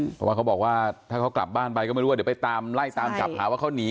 เพราะว่าเขาบอกว่าถ้าเขากลับบ้านไปก็ไม่รู้ว่าเดี๋ยวไปตามไล่ตามจับหาว่าเขาหนี